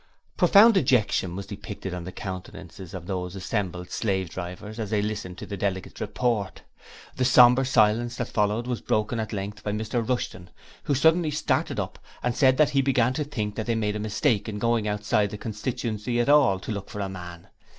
Profound dejection was depicted on the countenances of those assembled slave drivers as they listened to the delegates' report. The sombre silence that followed was broken at length by Mr Rushton, who suddenly started up and said that he began to think they had made a mistake in going outside the constituency at all to look for a man.